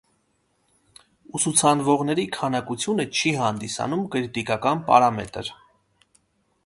Ուսուցանվողների քանակությունը չի հանդիսանում կրիտիկական պարամետր։